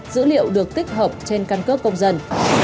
dữ liệu được tích hợp trên căn cước công dân